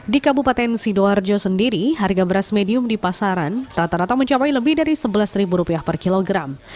di kabupaten sidoarjo sendiri harga beras medium di pasaran rata rata mencapai lebih dari rp sebelas per kilogram